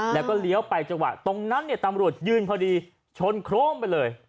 แล้วก็เลี้ยวไปจังหวะตรงนั้นเนี่ยตำรวจยืนพอดีชนโครมไปเลย